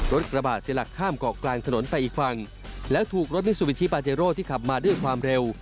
กระบาดเสียหลักข้ามเกาะกลางถนนไปอีกฝั่งแล้วถูกรถมิซูบิชิปาเจโร่ที่ขับมาด้วยความเร็ว